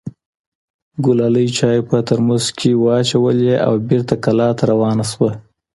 ګلالۍ چای په ترموز کې واچوه او بېرته کلا ته روانه شوه.